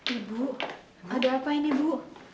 ibu ada apa ini bu